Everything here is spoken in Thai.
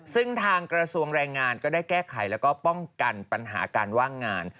ซึ่งทางกระทรวงแรงงานก็ได้แก้ไขแล้วก็ป้องกันปัญหาการว่างงาน